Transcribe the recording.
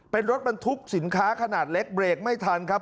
เป็นรถบรรทุกสินค้าขนาดเล็กเบรกไม่ทันครับ